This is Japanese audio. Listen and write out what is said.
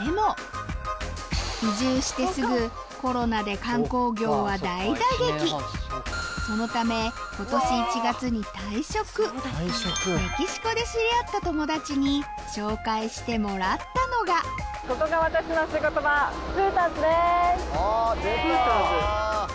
移住してすぐそのためメキシコで知り合った友達に紹介してもらったのがＨＯＯＴＥＲＳ？